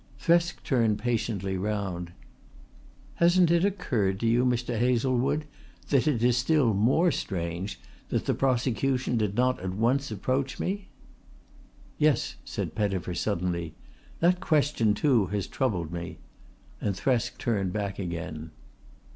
Thresk turned patiently round. "Hasn't it occurred to you, Mr. Hazlewood, that it is still more strange that the prosecution did not at once approach me?" "Yes," said Pettifer suddenly. "That question too has troubled me"; and Thresk turned back again.